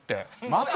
また？